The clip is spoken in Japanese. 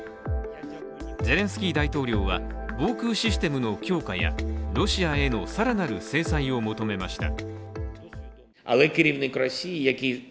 ゼレンスキー大統領は防空システムの強化やロシアへの更なる制裁を求めました。